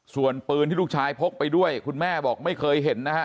ส่วนปืนที่ลูกชายพกไปด้วยคุณแม่บอกไม่เคยเห็นนะฮะ